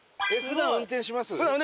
普段運転しますはい。